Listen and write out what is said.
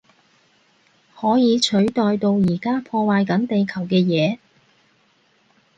可以取代到而家破壞緊地球嘅嘢